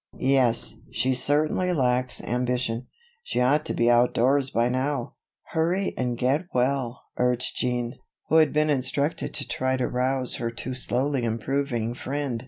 Yes, she certainly lacks ambition. She ought to be outdoors by now." "Hurry and get well," urged Jean, who had been instructed to try to rouse her too slowly improving friend.